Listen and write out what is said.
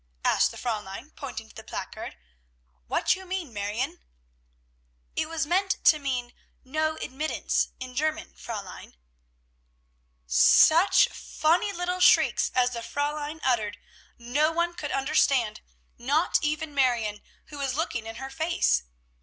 asked the Fräulein, pointing to the placard. "What you mean, Marione?" "It was meant to mean 'No Admittance' in German, Fräulein." Such funny little shrieks as the Fräulein uttered, no one could understand, not even Marion, who was looking in her face.